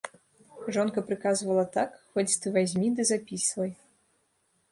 Жонка прыказвала так, хоць ты вазьмі ды запісвай.